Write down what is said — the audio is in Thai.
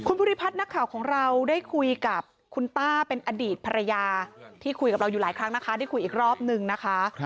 ภูริพัฒน์นักข่าวของเราได้คุยกับคุณต้าเป็นอดีตภรรยาที่คุยกับเราอยู่หลายครั้งนะคะได้คุยอีกรอบนึงนะคะ